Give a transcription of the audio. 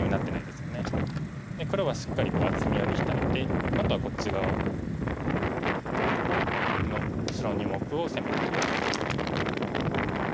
で黒はしっかり厚みができたので今度はこっち側の白の２目を攻めにきます。